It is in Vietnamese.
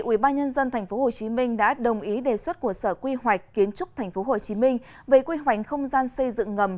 ubnd tp hcm đã đồng ý đề xuất của sở quy hoạch kiến trúc tp hcm về quy hoạch không gian xây dựng ngầm